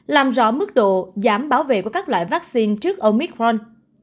làm rõ mức độ giảm bảo vệ của các loại vaccine trước omitforn